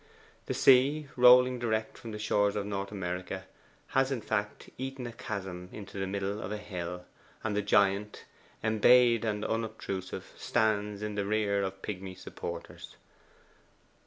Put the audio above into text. The sea, rolling direct from the shores of North America, has in fact eaten a chasm into the middle of a hill, and the giant, embayed and unobtrusive, stands in the rear of pigmy supporters.